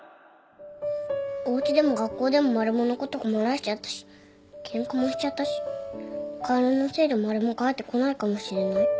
おうちでも学校でもマルモのこと困らせちゃったしケンカもしちゃったし薫のせいでマルモ帰ってこないかもしれない。